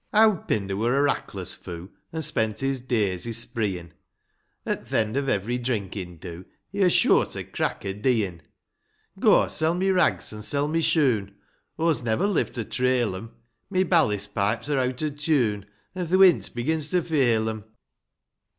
WD Pinder were a rackless' foo, An' spent his days i' sprecin' ; At th' end of every drinkin' do, He're sure to crack o' deein';' " Go, sell my rags, an' sell my shoon j Aw's never live to trail 'em ; My ballis pipes^ are eawt o' tune, An' th' wynt^ begins to fail 'em